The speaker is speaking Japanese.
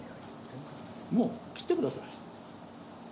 もう切ってください。